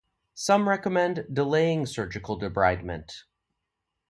Some recommend delaying surgical debridement.